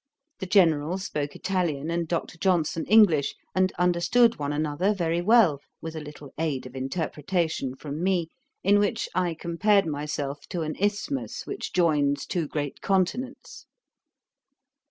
The General spoke Italian, and Dr. Johnson English, and understood one another very well, with a little aid of interpretation from me, in which I compared myself to an isthmus which joins two great continents.